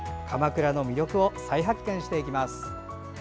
鎌倉の魅力を再発見していきます。